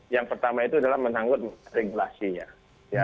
yang pertama itu adalah menyangkut regulasi ya